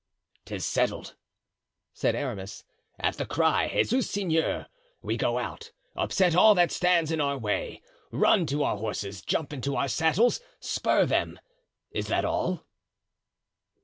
"'Tis settled," said Aramis; "at the cry 'Jesus Seigneur' we go out, upset all that stands in our way, run to our horses, jump into our saddles, spur them; is that all?"